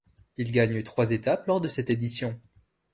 Il gagne trois étapes lors de cette édition.